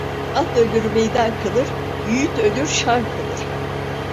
At ölür meydan kalır, yiğit ölür şan kalır.